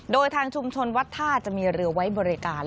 โดยทางชุมชนวัดท่าจะมีเรือไว้บริการ